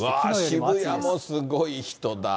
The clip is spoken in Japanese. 渋谷もすごい人だ。